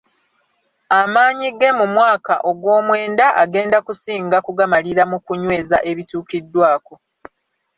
Amaanyi ge mu mwaka ogw'omwenda agenda kusinga kugamalira mu kunyweza ebituukiddwako.